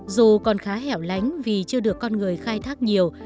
dù còn khá hẻo lánh vì chưa được con người khai thác nhiều